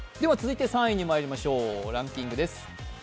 続いて３位にまいりましょう、ランキングです。